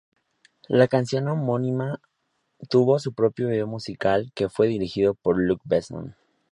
La canción homónima tuvo su propio video musical que fue dirigido por Luc Besson.